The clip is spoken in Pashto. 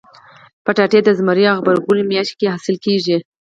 کچالو د زمري او غبرګولي میاشت کې حاصل کېږي